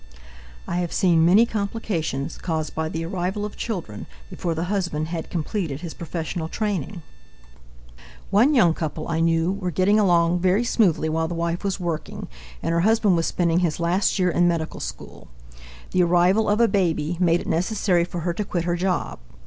I have seen many complications caused by the arrival of children before the husband had completed his professional training. One young couple I knew were getting along very smoothly while the wife was working and her husband was spending his last year in medical school. The arrival of a baby made it necessary for her to quit her job.